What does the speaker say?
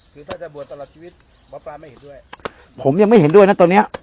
คือถ้าจะบวชตลอดชีวิตหมอปลาไม่เห็นด้วยผมยังไม่เห็นด้วยนะตอนเนี้ย